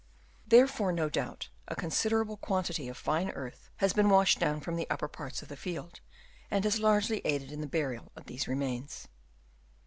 There fore no doubt a considerable quantity of fine earth has been washed down from the upper parts of the field, and has largely aided in the burial of these remains.